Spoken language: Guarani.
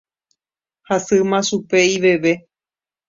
Hasýma chupe iveve.